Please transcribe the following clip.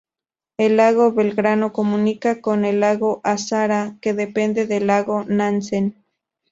El lago Belgrano comunica con el lago Azara, que depende del lago Nansen.